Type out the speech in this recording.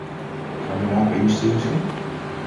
Van de wapenindustrie misschien?